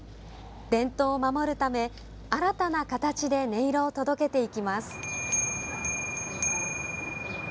伝統を守るため、新たな形で音色を届けていきます。